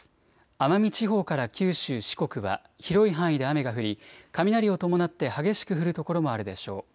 奄美地方から九州、四国は広い範囲で雨が降り、雷を伴って激しく降る所もあるでしょう。